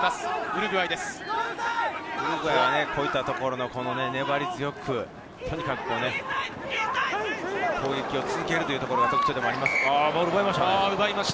ウルグアイはこういったところ、粘り強く攻撃を続けるというところが特徴でもあります。